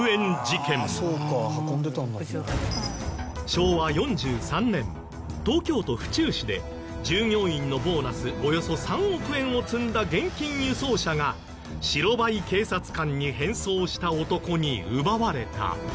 昭和４３年東京都府中市で従業員のボーナスおよそ３億円を積んだ現金輸送車が白バイ警察官に変装した男に奪われた。